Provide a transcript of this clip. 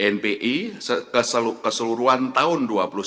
npi keseluruhan tahun dua ribu sembilan belas